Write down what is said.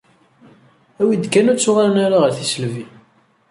Awi-d kan ur ttuɣalen ara ɣer tisselbi.